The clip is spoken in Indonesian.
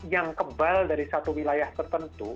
yang kebal dari satu wilayah tertentu